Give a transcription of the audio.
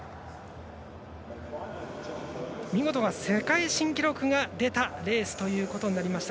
見事な世界新記録が出たレースとなりました。